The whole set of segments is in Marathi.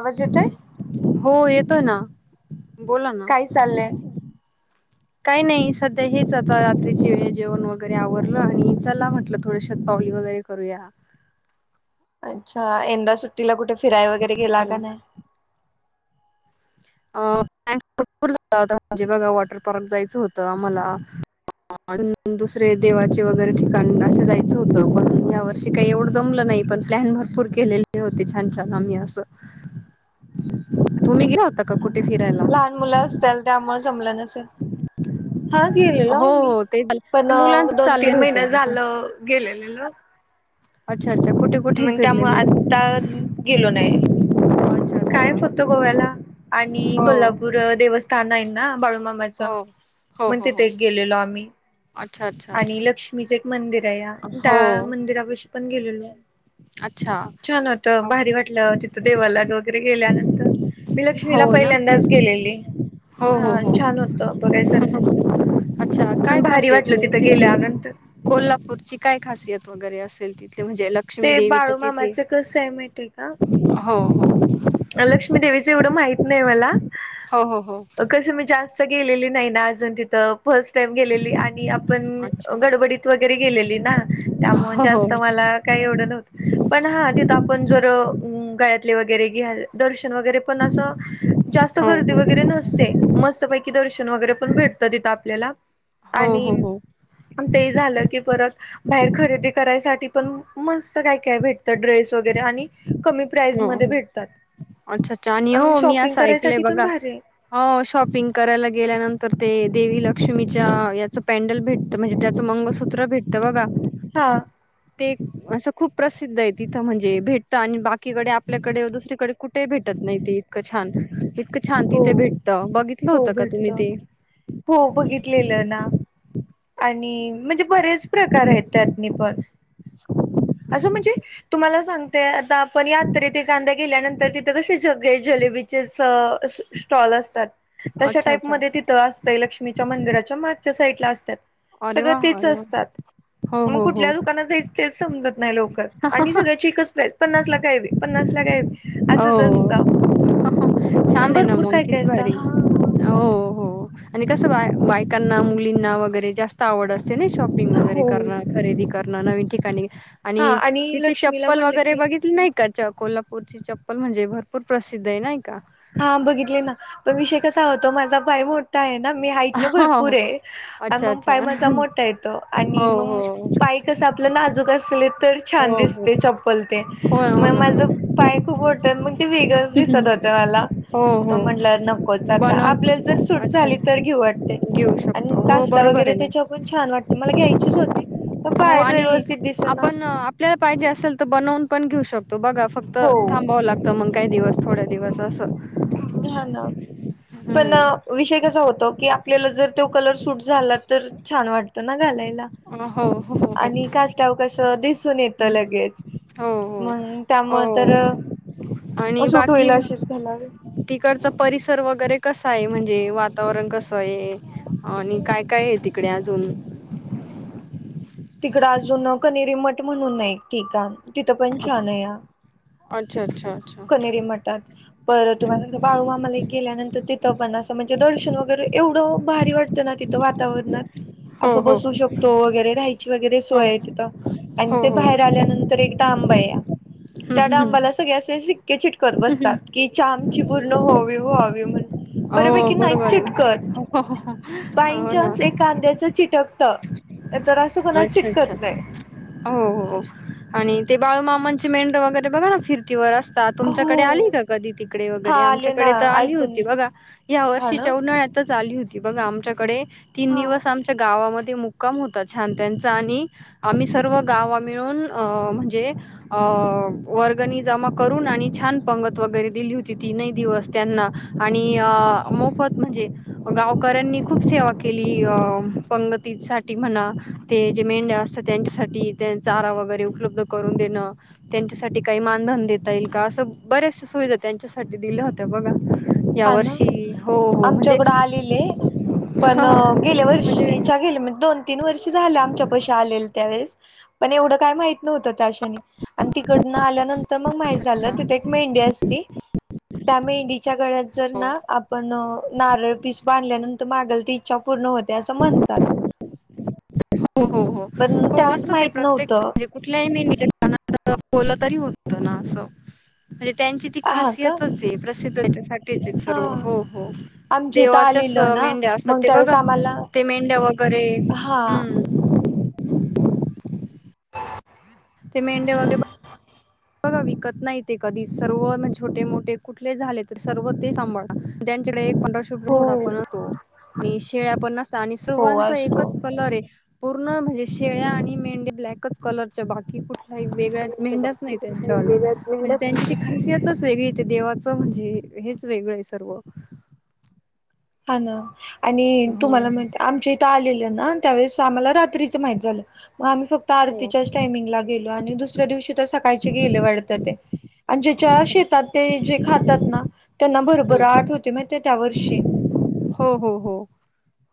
आवाज येतोय? त ना बोला ना. काय चाललंय काही नाही. सध्या हेच आता, रात्रीची वेळ जेवण वगैरे आवरलं आणि चला म्हटलं थोडं शत पावली वगैरे करूया. अच्छा एंदा सुट्टीला कुठ? फिराय वगैरे गेला का नाही? [unintelligible] जेव्हा वॉटर पार्क जायचं होतं मला, अन दुसरे देवाचे वगैरे ठिकाण असे जायचं होतं पण या वर्षी काही एवढ जमलं नाही पण प्लॅन भरपूर केलेले होते छान छान आम्ही असं. तुम्ही गेला ह हा [unintelligible] लहान मुलं असत्याल, त्यामुळ जमलं नसेल. हा गेलेलो हो आम्ही हो ते पण झालं. मुलांच दोन चालले तीन होते महिन ना झालं गेलेलो. [inaudible] अच्छा अच्छा कुठे कुठे मग फिरले त्यामुळे मग आता गेलो नाही अच्छा काय फक्त अच्छा गोव्याला. आणि हो कोल्हापूर देवस्थान [unintelligible] मामाचा, हो हो मग हो हो तिथे गेलेलो आम्ही. अच्छा, अच्छा, आणि अच्छा. लक्ष्मीच एक मंदिर. तया, त्या हो. मंदिरापाशी पण गेलेलो. अच्छा. छान होत, भारी असं. वाटलं, तिथ देवाला वगैरे गेल्यानंतर मी लक्ष्मीला हो ना. पहिल्यांदाच गेलेली. हो, हा हो, हो. छान होत अच्छा बघायसारखं काय भारी खासियत वाटते. मग तिथली कोल्हापूर, काय खासियत वगैरे असेल तिथली. म्हणजे लक्ष्मी ते देवीच्या तिथे? बाळूमामाचं हो, कसं आहे माहिती आहे का? हो. लक्ष्मी देवीच एवढं माहित नाही मला. हो हो हो. स गेलेली नाही ना अजून तिथं. फर्स्ट टाईम गेलेली आणि आपण अच्छा. गडबडीत वगैरे गेलेली ना त्यामुळे हो, हो. जास्त मला काही एवढं नव्हतं, पण हा तिथ आपण जर गळ्यात [unintelligible] दर्श वगैरे पण अस जास्त हो, गर्दी हो. वगैरे नसते मस्तपैकी दर्शन वरे पण भेटथ तिथं आपल्याला हो, आणि हो, हो. ते झालं की परत बाहेर खरेदी करायसाठी पण मस्त काय काय भेटत ड्रेस वगैरे आणि कमी प्राईज हो, मध्ये हो. भेट अच्छा अच्छा आणि ओ मी असं ऐकलय करायसाठी पण बघा, भारी आहे. हो शॉपिंग करायला गेल्यानंतर ते देवी लक्ष्मीच्या याचं पॅन्डल भेटत म्हणजे त्याचं मंगसूत्र भेटतं बघा. हा. ते असं खूप प्रसिद्ध आहे तिथं म्हणजे भेटत आणि बाकी [unintelligible] कडे आपल्याकडे दुसरीकडे कुठे भेटत नाही ते इतकं छान हो छानतीथे भेटत बघितलं हो होतं का भेटत तुम्ही ते. हो बघितलेलं ना आणि म्हणजे बरेच प्रकार आहेत त्यातनी पण. [inaudible] असं म्हणजे तुम्हाला सांगतेय आता. पण यात तरी तेे कांदा गेल्यानंतर तिथं कसे जग ते जलेबीचेच स्टॉल असतात. तशा अच्छा टाईप अच्छा मध्ये तिथं असतंय लक्ष्मीच्या मंदिराच्या मा च्या साईट ला असतात. अरे सगळं वा तेच अरे वा असतात हो मग हो हो कुठल्या दुकानात जायच तेच समजत नाही लोकर आणि सगळ्याची एकच प्राईस पन्नास ला कावी पन्नास ला का हवी, हो असच असत छान आहे ना भरपूर मग काय काय किती असत. भारी हो हो आणि कसं बाय बायकांना मुलींना वगैरे जास्त आवड अस ते नाय शॉपिंग वगैरे हो करणार खरेदी करणा ना नवीन ठिकाणी. हा आणि तिथे लक्ष्मीला चप्पल म्हणलं वगैरे की बघितली नाही का. च कोल्हापूरची चप्पल म्हणजे भरपूर प्रसिद्ध आहे नाही का. हा बघितले ना पण विषय कसा होतो माझा पाय मोठा आहे ना. मी हाईट ना भरपूर हो आहे, अच्छा मग पाय अच्छा माझा मोठा येत आणि हो मग हो पाय कस आपलं नाजूक. कसलेत. तर हो छान हो दिसते चप्पल ते होय हो मग ना माझं पाय खूप मोठे मग ते वेगळंच दिसत होतं मला. हो मग हो म्हंटलं नकोच आता बनवून आपल्याला जर सूट अच्छा झाली तर घेऊ वाटतय, घेऊ आणि शकतो हो काष्टा बरोबर वगैरे आहे ना त्याच्या ओपन छान वाटतय मला घ्यायचीच होती, पण हो पायात आणि व्यवस्थित. दिसना. आपण आपल्याला पाहिजे असेल तर बनवून पण घेऊ शकतो ना. तो बघा फक्त हो थांबावं लागतं मग. काही दिवस थोड दिवस असं. घ्या ना. पण हम्म विषय कसा होतो. कि आपल्याला जर तो कलर सूट झाला तर छान वाटतं ना घालायला. हो हो हो आणि कास्टावर कस दिसून येतं लगेच हो हो मग त्यामुळं तर. हो आणि सूट बाकी होईल अशीच घालावी तिकडचा परिसर वगैरे कसा काय म्हणजे वातावरण कसं आहे, आणि काय काय आहे, तिकडे अजून. तिकडं अजून कनेरी मठ म्हणून नाही की, का तिथं पण छान आहे हा. अच्छा अच्छा अच्छा कनेरी मठात पर तुम्हाला सांगते बाळूमामाला गेल्यानंतर तिथं पण असं म्हणजे. दर्शन वगैरे एवढं भारी वाटतं ना तिथं वातावरणात. हो असं हो बसू शकतो वगैरे, राहायची वगैरे, हो सोय तिथं आणि हो, ते बाहेर हो. आल्यानंतर एक डांबा हाय हं, त्या हं, हं. डांबाला. [unintelligible] [inaudible] हो बऱ्यापैकी नाही बरोबर आहे चिटकत हो हा बाय हा हो ना. चान्स एखाद्याचं चिटकत नाही तर असं कोणाच अच्छा अच्छा चिटकत नाही हो हो आणि. ते बाळूमामांचे मेढ्र वगैरे बघा ना फिरतीवर असतात. का तुमच्याकडे आली हो का कधी तिकडे हा वगैरे आले ना आमच्याकडे तर आली ऐकून होती, बघा या हा ना वर्षीच्या उन्हाळ्यातच. झाली होती बघ आमच्याकडे. तीन हा दिवस आमच्या गावामध्ये. ते मुक्काम होता छान त्यांचा आणि आम्ही सर्व गावा मिळून अ म्हणजे अ वर्गनी जमा करून आणि छान पंगत वगैरे दिली होती तीनही दिवस त्यांना आणि मोफत म्हणजे गावकऱ्यांनी खूप सेवा केली अ पंगत. ति सा म्हणा ते जे मेंढ्या असतात त्यांच्यासाठी त्यां चारा वगैरे उपलब्ध करून देणं त्यांच्यासाठी काही मानधन देता येईल का असं बऱ्याच सुविधा त्यांच्यासाठी दिल्या होत्या बघा. या हा ना वर्षी हो हो म्हणजे आमच्याकडं आलेले पण हो हो गेले म्हणजे वर्षच्या गेले म्हणजे. दोन. तीन वर्ष झाल्या आमच्या पशी आलेले. त्यावेळेस पण एवढं काय माहित नव्हतं त्या. [inaudible] तिच्याकडे. जर हो ना आपण. नारळ पीस बांधल्यानंतर मागलती इच्छा पूर्ण होते असं म्हणतात. हो हो हो पण हो त्यावेळेस असतं ते माहित प्रत्येक नव्हतं म्हणजे कुठल्याही मेढी तरी होत. ना असो. त्यांची ती हा का खासियतच आहे प्रसिद्ध याच्यासाठीच हा सर्व हो हो आमच्या इथं देवाच्याच आलेलं ना मेंढ्या असत मग ते त्यावेळेस बघा आम्हाला ते मेंढ्या वगैरे हा हम्म. ह ते मेंढ्या वगैरे बघा विकत नाही ते कधी सर्व छोटे मोठे कुठले झाले तर सर्व ते सांभाळ त्यांच्याकडे फटोशूट हो घोडा पण होतो आणि शेळ्या पण नसत आणि हो सर्वांचा असतो एकच कलर आहे पूर्ण म्हणजे शेळ्या आणि मेंढ्या ब्लॅकच कलरच्या बाकी कु काही पण वेगळाच अशा मेंढ्याच नाही बाबतीत म्हणजे मेंढ्या त्यांची तिकडे वेगळी ते देवाचं म्हणजे हेच वेगळं आहे सर्व हा ना आणि हो तुम्हाला म्हणते आमच्या इथं आलेल त्यावेळेस आम्हाला रात्रीच माहित झालं मग आम्ही फक्त हो आरतीच्याच टाइमिंगला गेलो आणि दुसऱ्या दिवशी तर सकाळचे गेले वाटत ते आणि ज्याच्या् अच्छा शेतात ते जे खातात ना त्याना बरोबर हम्म आठवते म त्या वर्षी हो हो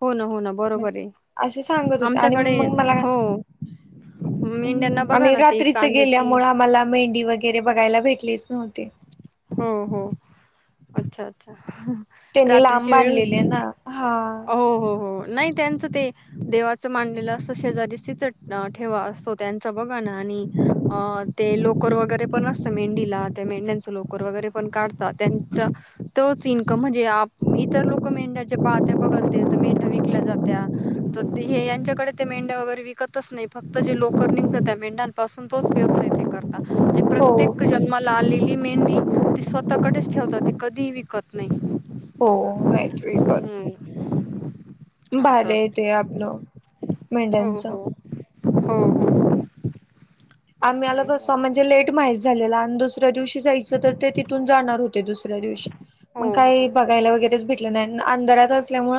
हो ना हो ना बरोबर आहे असे सांगत होते आणि आमच्याकडे मग मला हो मेंढ्यांना हम् बघा आणि ना ते रात्रीच कांद्याची गेल्यामुळें आम्हाला मेंढी वगैरे बघायला भेटली ह हो अच्छाच् त्यांनी लांब बांधलेले ना हा हो हो हो नाही त्यांचं ते देवाचं मांडलेलं असतं शेजारी तिचं ठेवा असतो त्यांच बघा ना आणि ते लोकर वगैरे पण असतं मेंढीला मेंढ्यांच लोकर वगैरे पण काढतात त्यांचा तोच इन्कम म्हणजे इतर लोक मेंढ्याच्या पाहत्या बघतते तर मेंढ्या विकल्या जात्या तर हे यांच्याकडे ते मेंढ्या वगैरे विकतच नाही फक्त जे लोकर निघत त्या मेंढ्यांपासून तोच व्यवसाय ते करत हो. लालेली मेंढी ती स्वतःकडेच ठेवतात ते कधीही विकत नाही. हो नाहीत विकत. हम्म असं भारी आहे असतं ते आपलं हो मेढ्यांच हो हो हो असं आम्हाला आहे कस बाकी म्हणजे लेट माहीत झालेलं आणि दुस ऱ्या दिवशी जायचं तर ते तिथून जाणार होत ते दुसऱ्या दिवशी हो मंग काय हो बघायला वगैरेच भेट अंधरात असल्यामुळ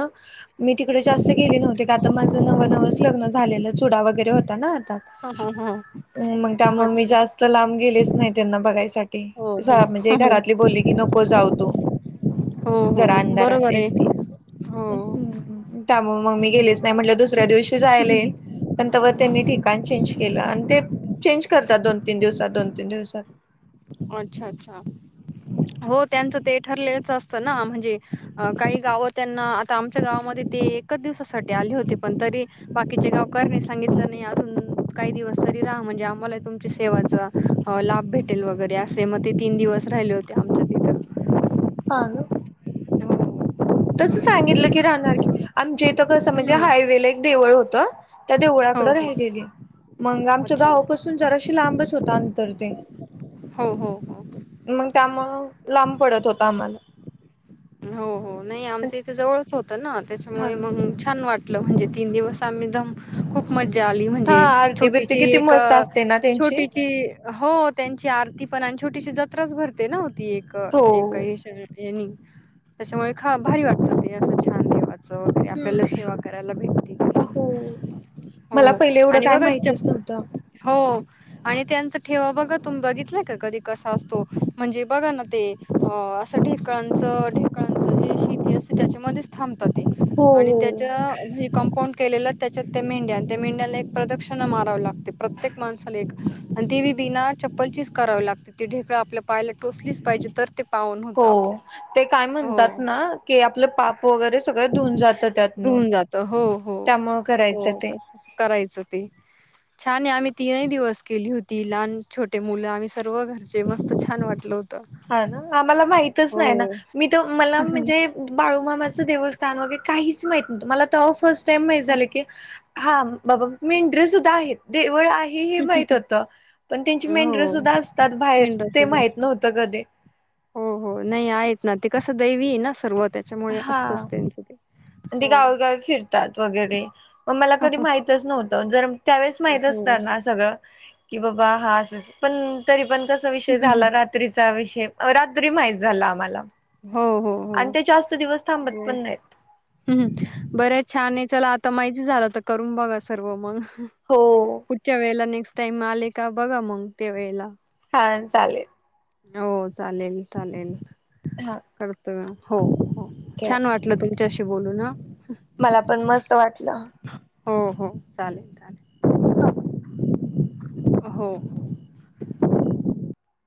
मी तिकडे जास्त गेले नव्हते. आता माझं नव नवंच लग्न झालेलं चुडा वगैरे होता ना. हं हं हं मंग त्यामुळे मी जास्त लांब गेलेच नाही. त्यांना बघायचं. पाठी हो हो म्हणजे हो घरातली बोललीत की नको जाऊ तू हो जरा अंधारात बरोबर आहे एकटीच हो हूं त्यामुळ म गेलेच नाय म्हणल दुसऱ्या दिवशी टी जायला येईल पण तवर त्यांनी ठिकाण चेंज केला आणि ते चेंज करतात दोन तीन दिवसात दोन तीन दिवसात अच्छा अच्छा हो त्यांच ते ठरलेलच असत ना म्हणजे काही गाव त्यांना आता आमच्या गावामध्ये ते एकच दिवसासाठी आले होते पण तरी बाकीचे गावकारनी सांगितल नाही अजून काही दिवस तरी राहा म्हणजे आम्हाला तुमच्या सेवेचा लाभ भेटेल वगैरे. ते असे म ते तीन दिवस राहिले होते आमच्या तिथ. हा न तस सांगितल की राहणार की आमच्या इथ कस म्हणजे हम्म हायवेला एक देवळ होत. त्या हो देवळाकडे हो राहिलेली मंग आमच्या अच्छा गावापासून जराशी लांबच होत अंतर ते हो हो हो मंग त्यामुळ लांब पडत होत आम्हाला हो हो नाही आमच इथे जवळच होत ना हा त्याच्यामुळे ना मंग छान वाट म्हटल म्हणजे तीन दिवस आम्ही धम्म खूप मज ज्जा आली हा म्हणजे आरती बिरती छोटीशी किती एक मस्त असते ना त्यांची छोटीशी हो त्यांची आरती पण आन छोटीशी जत्राच भरते ना. ती एक हो एकही येणी. त्याच्यामुळे ख भारी वाटत ते अस छान देवाच. वाच वगैरे आपल्याला सेवा करायला भेटती हो मला हो पहिले एवढं आणि काय बघा माहितच जप नव्हतं हो- आणि त्यांच ठेवा बघा तुम्ही बघितल का कधी कसा असतो म्हणजे बघा ना ते असं ढेकळांच ढे ढेकळांच जी शेती असते त्याच्यामध्येचं थांब तात ते हो आणि हो त्याच्या कंपाउंड केलेल त्याच्यात ते मेंड्या ते मेंड्याने एक प्रदक्षिणा मारव ला ते प्रत्येक माणसाला एक आणि देवी बिना चप्पलचीच करावी लागते ती ढेकळं आपल्या पायला टोचलीच पाहिजे तर ते पावन हो होतं आपल्याला. ते काय म्हण हो म्हणतात ना की आपल पाप वगैरे सगळ धुऊन जात त्यातून धुऊन जातं. हो, हो, त्यामुळे करायच हो ते तसंच करायचं ते. छान आहे आम्ही तीनही दिवस केली होती लहान छोटे मुल आम्ही सर्व घरचे मस्त छान वाटल होत हा ना आम्हाला माहितच नाही ना मी तर मला म्हणजे बाळूमामाचं देवस्थान मग काहीच माहित नव्हत मला तेव्हा फर्स्ट माहित झाल की हा बाबा मेंढर सुद्धा आहेत देवळ आहेत माहित होत पण त्यांची मेंटर हो सुद्धा असतात बाहेर विंडोज ते माहित जास्त नव्हत अे हो हो नाही आहेत ना ते कसं दैवी ना सर्वत त्याच्यामुळे हा असतच त्यांच ते ते हो गावेगावी फिरतात वगैरे मग मला कधी माहितच नव्हतं जर त्यावेळेस माहित हो असतना सगळं कि बाबा हा अस पण तरी पण कसा विषय झाला रात्रीचा वि रात्री माहित झाला आम्हाला हो हो आणि ते जास्त दिवस हो थांबत पण नाहीत ह् बर्याच छान चला तर माहिती झालं तर करून बघा सर्व मग हो पुठच्या वळेला नेक्स्ट त माले का बघा मग त्या वेळेला हा चालेल हो चालेल चालेल हा करतवा हो हो ठेवा छान वाटलं तुमच्याशी बोलू ना मला पण मस्त वाटलं हो हो चालेल चालेल हा हो